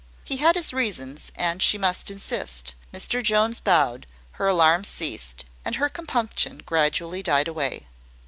He had his reasons, and she must insist. Mr Jones bowed; her alarm ceased, and her compunction gradually died away.